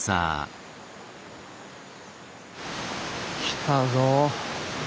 来たぞ。